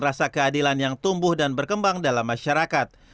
rasa keadilan yang tumbuh dan berkembang dalam masyarakat